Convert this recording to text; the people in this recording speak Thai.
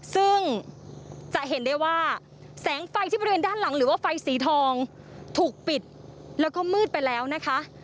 ซึ่งจะเห็นได้ว่าแสงไฟที่บริเวณด้านหลังหรือว่าไฟสีทองถูกปิดแล้วก็มืดไปแล้วนะคะ